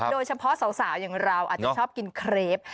โดยเฉพาะสาวอย่างเราอาจจะชอบกินเครป